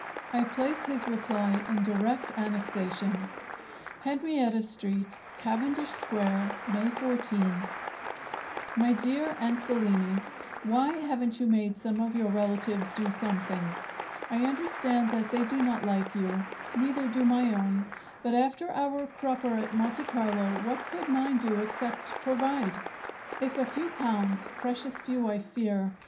I place his reply in direct annexation: "Henrietta Street, Cavendish Square, May 14. "My dear Ansolini, Why haven't you made some of your relatives do something? I understand that they do not like you; neither do my own, but after our crupper at Monte Carlo what could mine do, except provide? If a few pounds (precious few, I fear!)